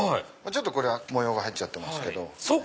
これは模様が入っちゃってますけど。